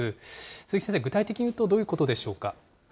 鈴木先生、具体的に言うとどういうことでしょうか。